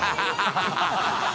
ハハハ